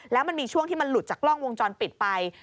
แล้วมันมีช่วงที่มันหลุดจากกล้องวงจรปิดไป